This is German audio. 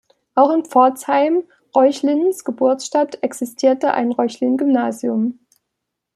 Auch in Pforzheim, Reuchlins Geburtsstadt, existiert ein Reuchlin-Gymnasium.